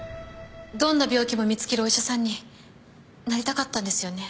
どんな病気も見つけるお医者さんになりたかったんですよね？